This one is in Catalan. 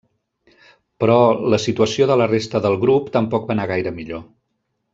Però, la situació de la resta del grup tampoc va anar gaire millor.